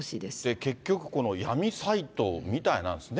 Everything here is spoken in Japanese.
結局、この闇サイトみたいなんですね。